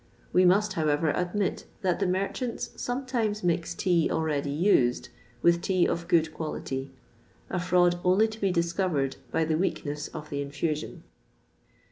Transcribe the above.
We must, however, admit that the merchants sometimes mix tea already used with tea of good quality; a fraud only to be discovered by the weakness of the infusion.